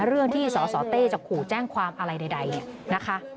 เรื่องที่สสเต้จะขู่แจ้งความอะไรใดเนี่ยนะคะ